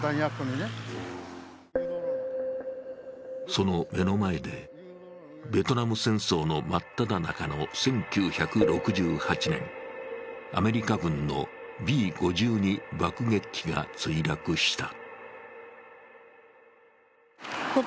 その目の前でベトナム戦争の真っただ中の１９６８年、アメリカ軍のＢ５２爆撃機が墜落した。